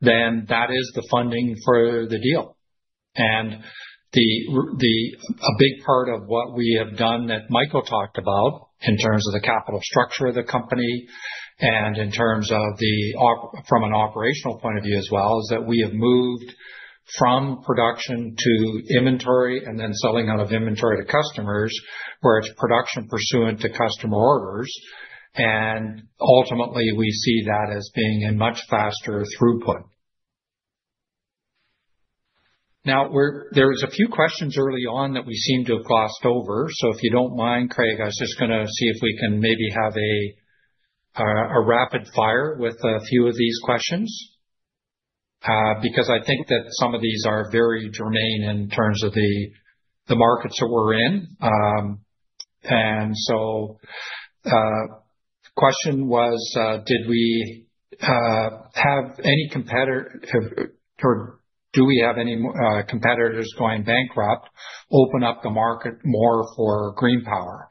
then that is the funding for the deal. A big part of what we have done that Michael talked about in terms of the capital structure of the company and in terms of the, from an operational point of view as well, is that we have moved from production to inventory and then selling out of inventory to customers, where it's production pursuant to customer orders. And ultimately, we see that as being a much faster throughput. Now, there were a few questions early on that we seem to have glossed over. So if you don't mind, Craig, I was just going to see if we can maybe have a rapid fire with a few of these questions because I think that some of these are very germane in terms of the markets that we're in. And so the question was, did we have any competitors, or do we have any competitors going bankrupt, open up the market more for GreenPower?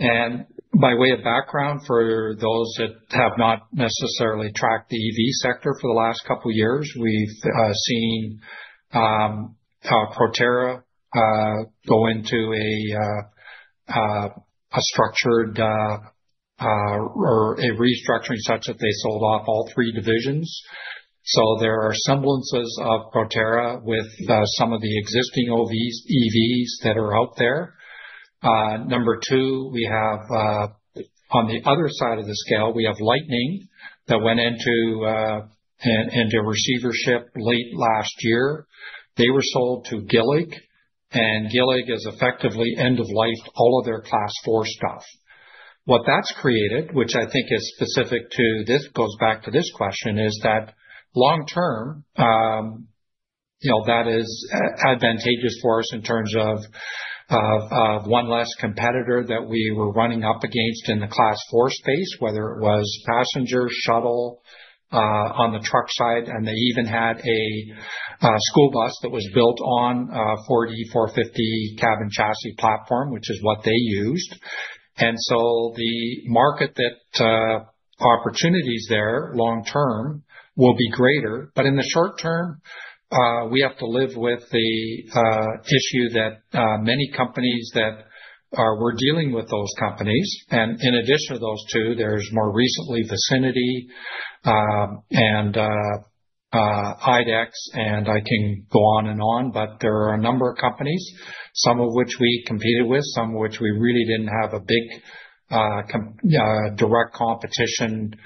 And by way of background, for those that have not necessarily tracked the EV sector for the last couple of years, we've seen Proterra go into a restructuring such that they sold off all three divisions. So there are semblances of Proterra with some of the existing EVs that are out there. Number two, on the other side of the scale, we have Lightning that went into a receivership late last year. They were sold to Gillig, and Gillig has effectively end-of-life all of their Class 4 stuff. What that's created, which I think is specific to this, goes back to this question. It is that long-term, that is advantageous for us in terms of one less competitor that we were running up against in the Class 4 space, whether it was passenger shuttle on the truck side, and they even had a school bus that was built on a Ford 450 cab chassis platform, which is what they used, and so the market opportunities there long-term will be greater, but in the short term, we have to live with the issue that many companies that we're dealing with, those companies. In addition to those two, there's more recently Vicinity and IDEX, and I can go on and on, but there are a number of companies, some of which we competed with, some of which we really didn't have a big direct competition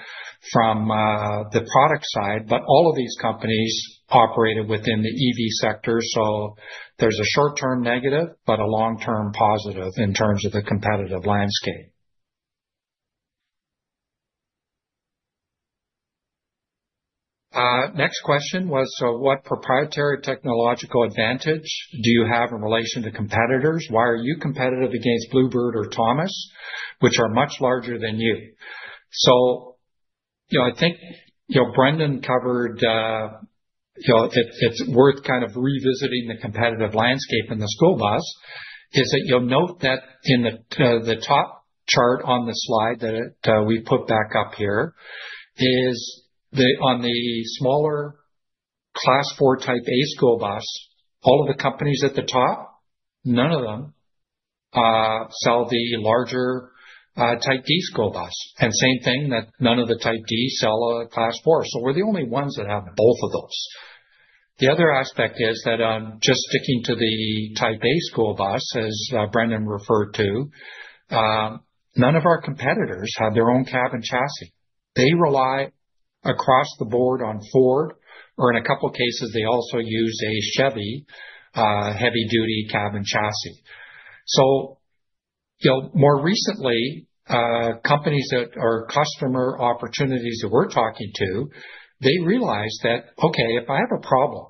from the product side. But all of these companies operated within the EV sector. So there's a short-term negative, but a long-term positive in terms of the competitive landscape. Next question was, so what proprietary technological advantage do you have in relation to competitors? Why are you competitive against Blue Bird or Thomas, which are much larger than you? So I think Brendan covered. It's worth kind of revisiting the competitive landscape in the school bus. You'll note that in the top chart on the slide that we put back up here is on the smaller Class 4 Type A school bus. All of the companies at the top, none of them sell the larger Type D school bus. And same thing, none of the Type D sell a Class 4. So we're the only ones that have both of those. The other aspect is that just sticking to the Type A school bus, as Brendan referred to, none of our competitors have their own cab chassis. They rely across the board on Ford, or in a couple of cases, they also use a Chevy heavy-duty cab chassis. So more recently, companies that are customer opportunities that we're talking to, they realize that, okay, if I have a problem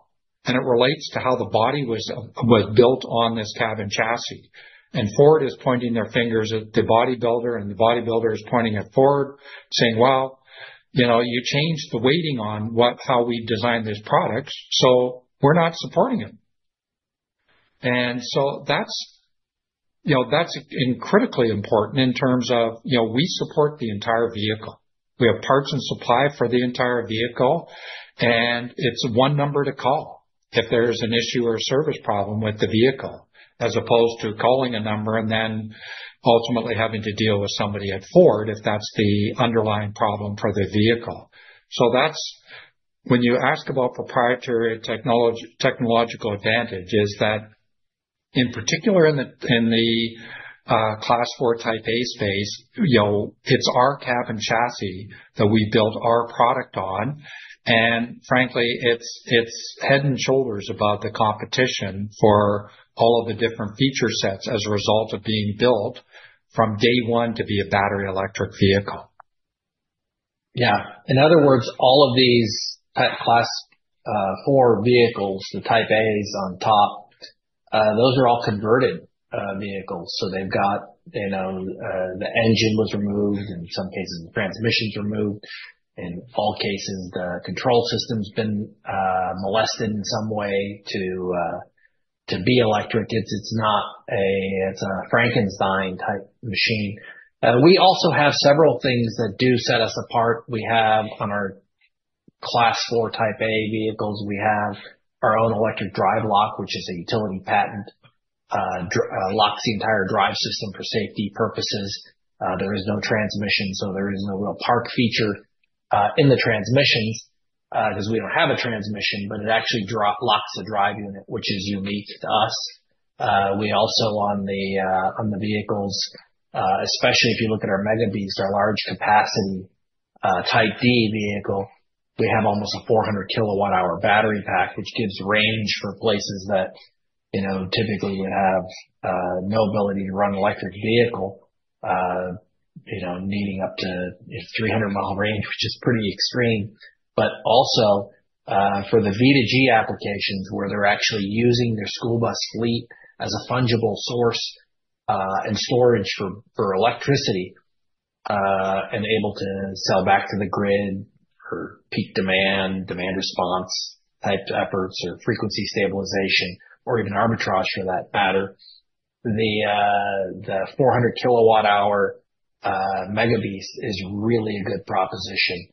and it relates to how the body was built on this cab chassis, and Ford is pointing their fingers at the bodybuilder, and the bodybuilder is pointing at Ford, saying, "Well, you changed the weighting on how we designed this product, so we're not supporting it." And so that's critically important in terms of we support the entire vehicle. We have parts in supply for the entire vehicle, and it's one number to call if there's an issue or a service problem with the vehicle, as opposed to calling a number and then ultimately having to deal with somebody at Ford if that's the underlying problem for the vehicle. So when you ask about proprietary technological advantage, is that in particular in the Class 4 Type A space? It's our cab chassis that we build our product on. And frankly, it's head and shoulders above the competition for all of the different feature sets as a result of being built from day one to be a battery electric vehicle. Yeah. In other words, all of these Class 4 vehicles, the Type A's on top, those are all converted vehicles. So they've got the engine was removed, in some cases, the transmission's removed. In all cases, the control system's been molested in some way to be electric. It's not a Frankenstein-type machine. We also have several things that do set us apart. On our Class 4 Type A vehicles, we have our own electric drive lock, which is a utility patent. It locks the entire drive system for safety purposes. There is no transmission, so there is no real park feature in the transmissions because we don't have a transmission, but it actually locks the drive unit, which is unique to us. We also, on the vehicles, especially if you look at our Mega BEAST, our large capacity Type D vehicle, we have almost a 400-kilowatt-hour battery pack, which gives range for places that typically would have no ability to run an electric vehicle needing up to 300-mile range, which is pretty extreme. But also for the V2G applications where they're actually using their school bus fleet as a fungible source and storage for electricity and able to sell back to the grid for peak demand, demand response type efforts, or frequency stabilization, or even arbitrage for that matter, the 400-kilowatt-hour Mega BEAST is really a good proposition.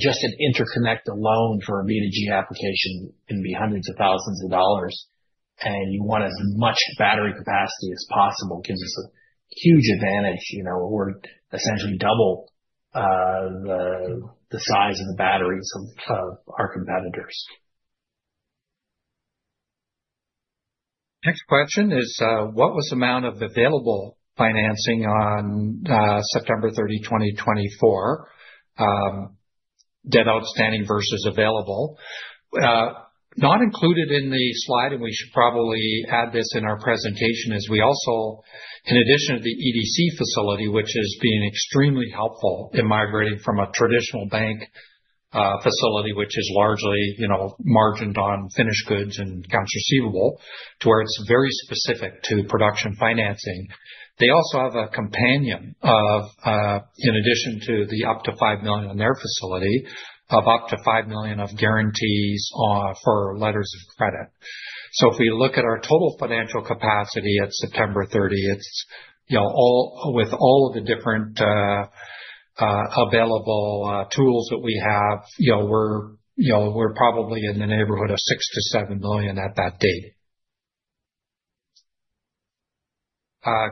Just an interconnect alone for a V2G application can be hundreds of thousands of dollars, and you want as much battery capacity as possible. It gives us a huge advantage. We're essentially double the size of the batteries of our competitors. Next question is, what was the amount of available financing on September 30, 2024? Debt outstanding versus available. Not included in the slide, and we should probably add this in our presentation, is we also, in addition to the EDC facility, which is being extremely helpful in migrating from a traditional bank facility, which is largely margined on finished goods and accounts receivable, to where it's very specific to production financing. They also have a companion of, in addition to the up to $5 million on their facility, of up to $5 million of guarantees for letters of credit. So if we look at our total financial capacity at September 30, with all of the different available tools that we have, we're probably in the neighborhood of $6-$7 million at that date.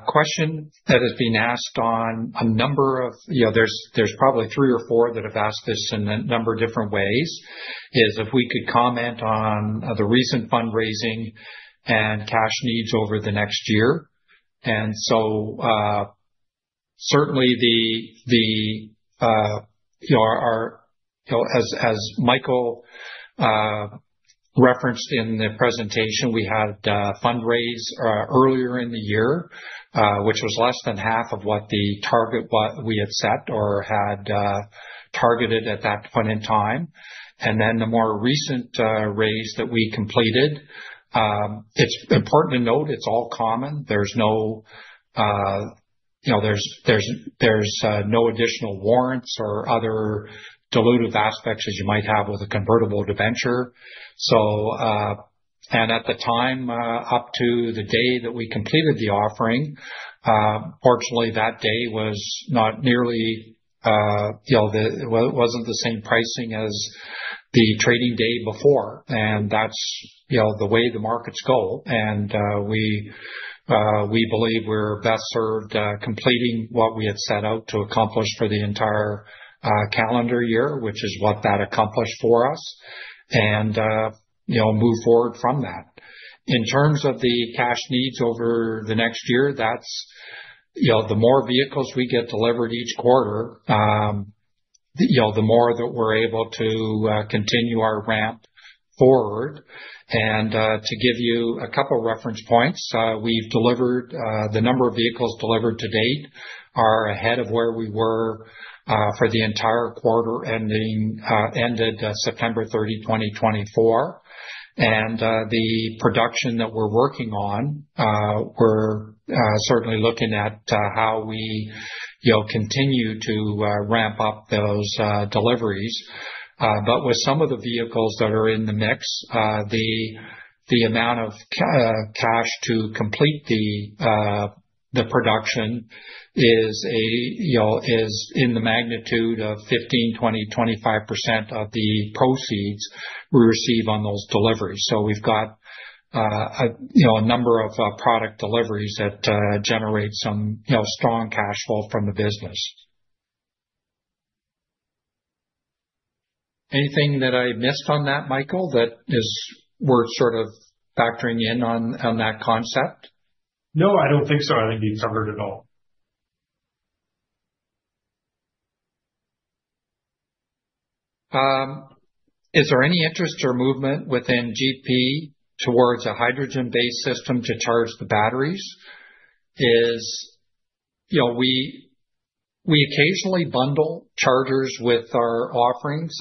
Question that has been asked on a number of occasions. There's probably three or four that have asked this in a number of different ways. Is if we could comment on the recent fundraising and cash needs over the next year. So certainly, as Michael referenced in the presentation, we had fundraised earlier in the year, which was less than half of what the target we had set or had targeted at that point in time. Then the more recent raise that we completed, it's important to note it's all common. There's no additional warrants or other dilutive aspects as you might have with a convertible debenture. At the time up to the day that we completed the offering, fortunately, that day was not nearly. It wasn't the same pricing as the trading day before. That's the way the markets go. We believe we're best served completing what we had set out to accomplish for the entire calendar year, which is what that accomplished for us, and move forward from that. In terms of the cash needs over the next year, the more vehicles we get delivered each quarter, the more that we're able to continue our ramp forward. To give you a couple of reference points, the number of vehicles delivered to date are ahead of where we were for the entire quarter ended September 30, 2024. The production that we're working on, we're certainly looking at how we continue to ramp up those deliveries. With some of the vehicles that are in the mix, the amount of cash to complete the production is in the magnitude of 15%, 20%, 25% of the proceeds we receive on those deliveries. So we've got a number of product deliveries that generate some strong cash flow from the business. Anything that I missed on that, Michael, that we're sort of factoring in on that concept? No, I don't think so. I think you covered it all. Is there any interest or movement within GP towards a hydrogen-based system to charge the batteries? We occasionally bundle chargers with our offerings.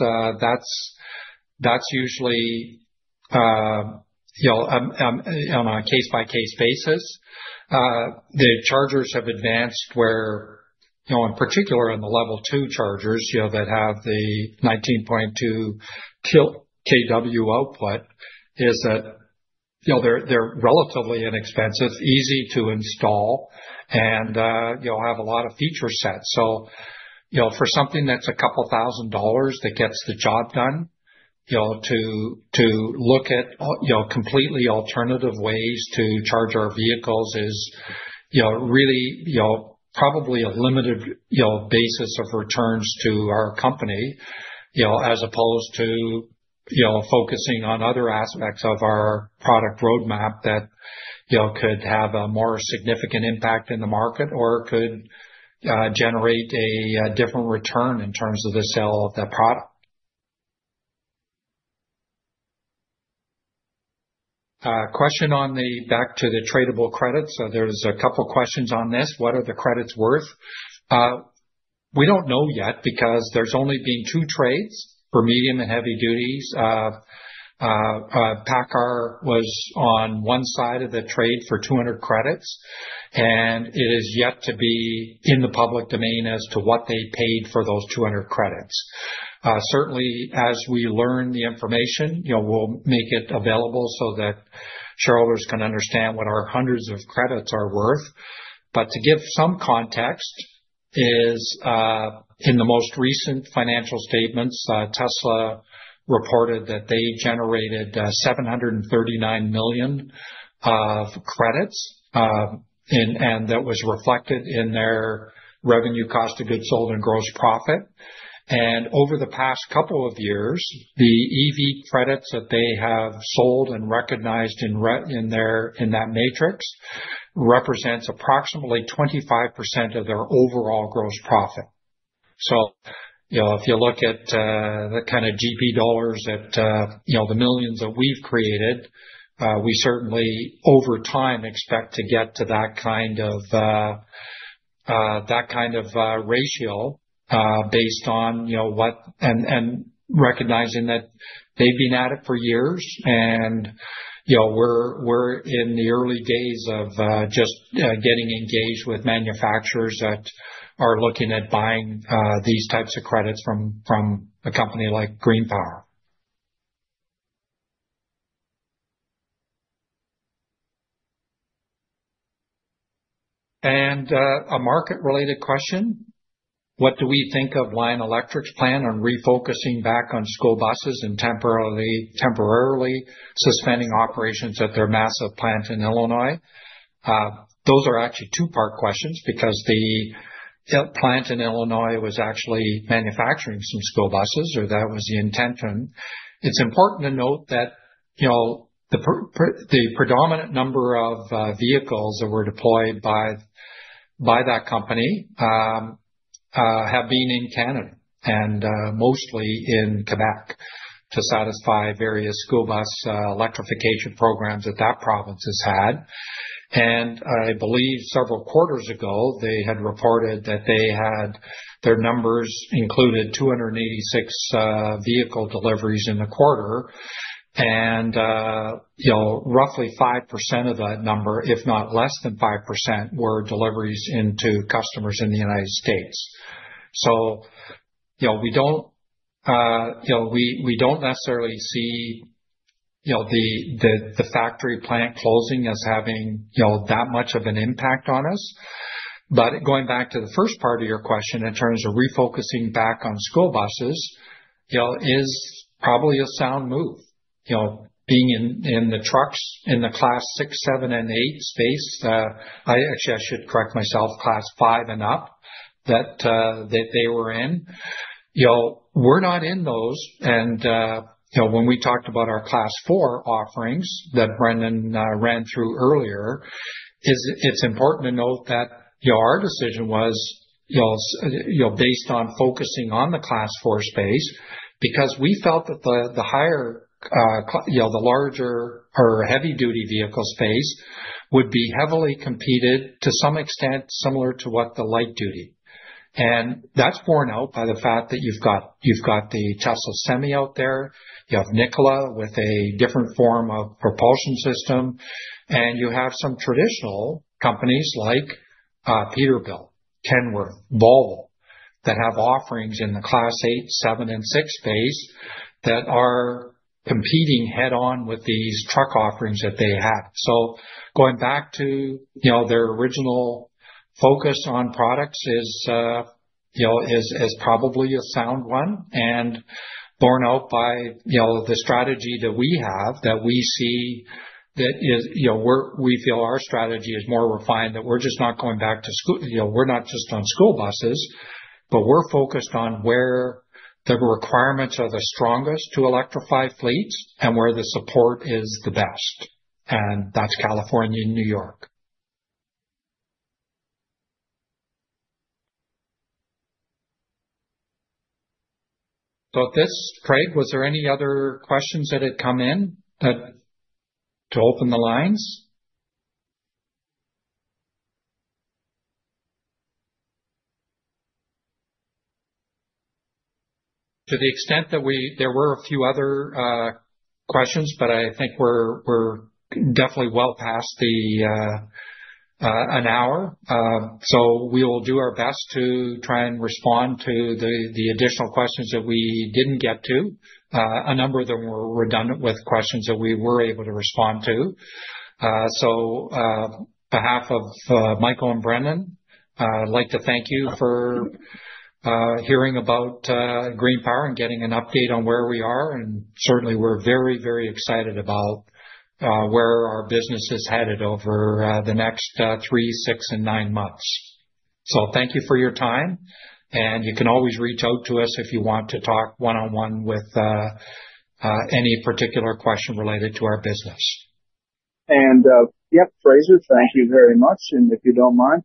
That's usually on a case-by-case basis. The chargers have advanced where, in particular, on the Level 2 chargers that have the 19.2 kW output, is that they're relatively inexpensive, easy to install, and have a lot of feature sets. So for something that's a couple of thousand dollars that gets the job done, to look at completely alternative ways to charge our vehicles is really probably a limited basis of returns to our company, as opposed to focusing on other aspects of our product roadmap that could have a more significant impact in the market or could generate a different return in terms of the sale of that product. Question back to the tradable credits. So there's a couple of questions on this. What are the credits worth? We don't know yet because there's only been two trades for medium and heavy duties. PACCAR was on one side of the trade for 200 credits, and it is yet to be in the public domain as to what they paid for those 200 credits. Certainly, as we learn the information, we'll make it available so that shareholders can understand what our hundreds of credits are worth. But to give some context, in the most recent financial statements, Tesla reported that they generated 739 million of credits, and that was reflected in their revenue, cost of goods sold, and gross profit, and over the past couple of years, the EV credits that they have sold and recognized in that metric represents approximately 25% of their overall gross profit. So if you look at the kind of GP dollars at the millions that we've created, we certainly, over time, expect to get to that kind of ratio based on what and recognizing that they've been at it for years. And we're in the early days of just getting engaged with manufacturers that are looking at buying these types of credits from a company like GreenPower. And a market-related question. What do we think of Lion Electric's plan on refocusing back on school buses and temporarily suspending operations at their massive plant in Illinois? Those are actually two-part questions because the plant in Illinois was actually manufacturing some school buses, or that was the intention. It's important to note that the predominant number of vehicles that were deployed by that company have been in Canada and mostly in Quebec to satisfy various school bus electrification programs that that province has had, and I believe several quarters ago, they had reported that their numbers included 286 vehicle deliveries in the quarter, and roughly 5% of that number, if not less than 5%, were deliveries into customers in the United States, so we don't necessarily see the factory plant closing as having that much of an impact on us, but going back to the first part of your question in terms of refocusing back on school buses is probably a sound move. Being in the trucks in the Class 6, 7, and 8 space, actually, I should correct myself, Class 5 and up that they were in. We're not in those. When we talked about our Class 4 offerings that Brendan ran through earlier, it's important to note that our decision was based on focusing on the Class 4 space because we felt that the higher, the larger or heavy-duty vehicle space would be heavily competed, to some extent, similar to what the light-duty. That's borne out by the fact that you've got the Tesla Semi out there. You have Nikola with a different form of propulsion system. You have some traditional companies like Peterbilt, Kenworth, Volvo that have offerings in the Class 8, 7, and 6 space that are competing head-on with these truck offerings that they have. So going back to their original focus on products is probably a sound one and borne out by the strategy that we have that we see that we feel our strategy is more refined, that we're just not going back to we're not just on school buses, but we're focused on where the requirements are the strongest to electrify fleets and where the support is the best. And that's California and New York. So Craig, was there any other questions that had come in to open the lines? To the extent that there were a few other questions, but I think we're definitely well past an hour. So we will do our best to try and respond to the additional questions that we didn't get to. A number of them were redundant with questions that we were able to respond to. So on behalf of Michael and Brendan, I'd like to thank you for hearing about GreenPower and getting an update on where we are. And certainly, we're very, very excited about where our business is headed over the next three, six, and nine months. So thank you for your time. And you can always reach out to us if you want to talk one-on-one with any particular question related to our business. And yep, Fraser, thank you very much. And if you don't mind,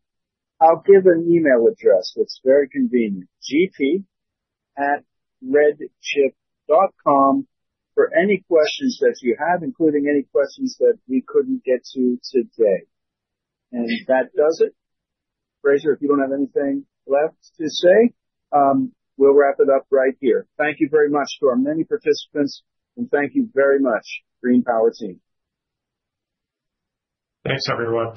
I'll give an email address. It's very convenient. gp@redchip.com for any questions that you have, including any questions that we couldn't get to today. And that does it. Fraser, if you don't have anything left to say, we'll wrap it up right here. Thank you very much to our many participants, and thank you very much, GreenPower team. Thanks, everyone.